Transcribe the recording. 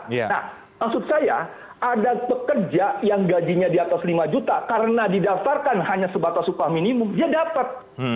nah maksud saya ada pekerja yang gajinya di atas lima juta karena didaftarkan hanya sebatas upah minimum dia dapat